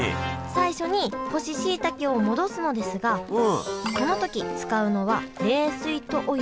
最初に干ししいたけを戻すのですがこの時使うのは冷水とお湯どちらだと思いますか？